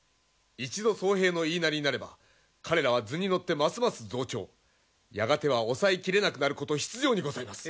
一度僧兵の言いなりになれば彼らは図に乗ってますます増長やがては抑え切れなくなること必定にございます。